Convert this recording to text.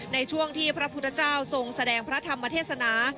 ในช่วงที่พระพุทธเจ้าทรงแสดงพระธรรมเทศนา